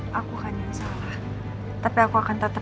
gak berarti emang ada palkunya ada